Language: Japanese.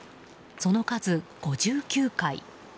その数、５９回。